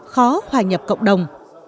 khó hòa nhập cộng đồng